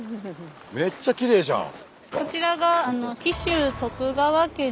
めっちゃきれいじゃん！